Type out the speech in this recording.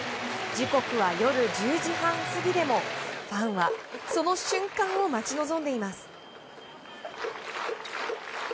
時刻は夜１０時半過ぎでもファンはその瞬間を待ち望んでいます。